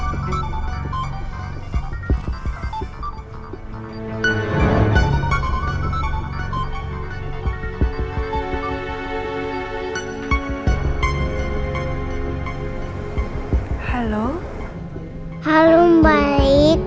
aku gak bisa ketemu mama lagi